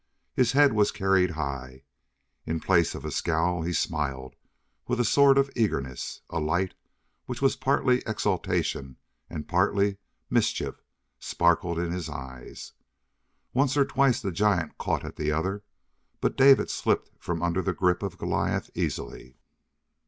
His head was carried high; in place of a scowl, he smiled with a sort of eagerness, a light which was partly exultation and partly mischief sparkled in his eyes. Once or twice the giant caught at the other, but David slipped from under the grip of Goliath easily.